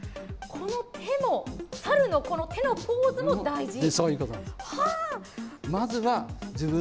この手も、サルのこの手のポーズも大事。